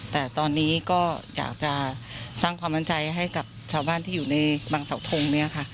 แต่ตอนนี้ก็อยากจะสร้างความมั่นใจให้กับชาวบ้านที่อยู่ในบางเสาทงเนี่ยค่ะ